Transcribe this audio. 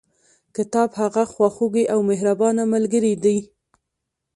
کتاب هغه خواخوږي او مهربانه ملګري دي.